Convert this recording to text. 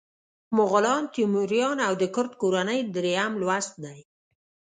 مغولان، تیموریان او د کرت کورنۍ دریم لوست دی.